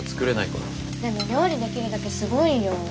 でも料理できるだけすごいよ。